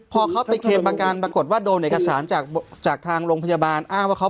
เป็นเรื่องภายในของท่านแล้วค่ะ